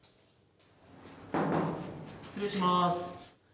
失礼します。